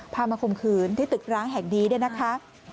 พามาคมขืนที่ตึกร้างแห่งดีด้วยนะคะ